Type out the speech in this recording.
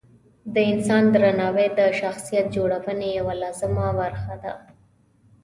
د انسان درناوی د شخصیت جوړونې یوه لازمه برخه ده.